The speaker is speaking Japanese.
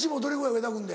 上田君で。